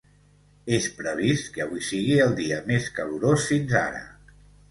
És previst que avui sigui el dia més calorós fins ara.